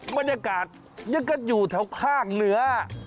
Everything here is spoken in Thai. บรรยากาศยังกันอยู่แถวภาคเหนือ